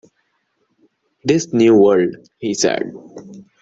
“This new world,” he said.